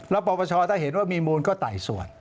แล้วปปชถ้าเห็นว่ามีมูลก็ไต่สวน